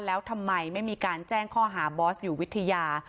แล้วทำไมไม่มีการแจ้งข้อหาบอสอยู่วิทยา